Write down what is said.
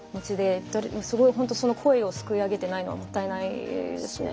その声をすくい上げてないのはもったいないですね。